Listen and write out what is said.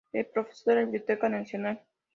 Es Profesor de la Biblioteca Nacional.